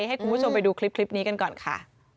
ให้คุณผู้ชมไปดูคลิปนี้กันก่อนค่ะ